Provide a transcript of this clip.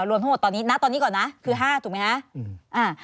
รวมทั้งหมดตอนนี้ณตอนนี้ก่อนนะคือ๕ถูกไหมคะ